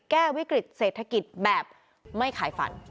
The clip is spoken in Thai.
แก้วิกฤตเศรษฐกิจแบบไม่ขายฝัน